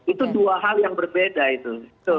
itu dua hal yang berbeda itu